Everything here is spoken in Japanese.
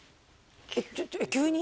えっちょっと急に？